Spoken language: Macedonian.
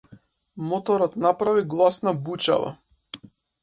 Моторот направи гласна бучава.